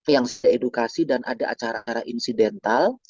yang saya edukasi dan ada acara acara insidental